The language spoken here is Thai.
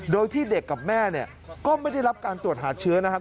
โดยที่เด็กกับแม่เนี่ยก็ไม่ได้รับการตรวจหาเชื้อนะครับ